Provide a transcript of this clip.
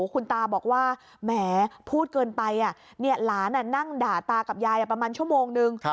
คุณตาบอกว่าแหมพูดเกินไปหลานนั่งด่าตากับยายประมาณชั่วโมงนึง